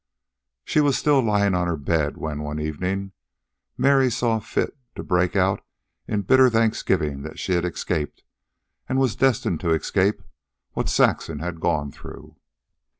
She was still lying on her bed, when, one evening, Mary saw fit to break out in bitter thanksgiving that she had escaped, and was destined to escape, what Saxon had gone through.